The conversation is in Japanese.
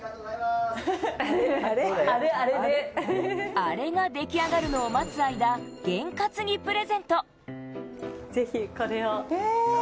あれができ上がるのを待つ間、ゲン担ぎプレゼント。